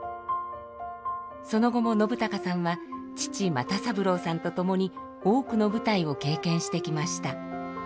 その後も信朗さんは父又三郎さんと共に多くの舞台を経験してきました。